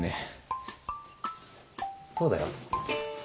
そうだよ。